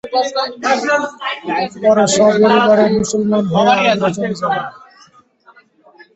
পরে সপরিবারে মুসলমান হয়ে আগ্রা চলে যান।